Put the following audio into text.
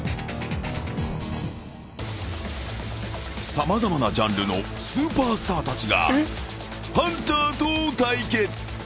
［様々なジャンルのスーパースターたちがハンターと対決］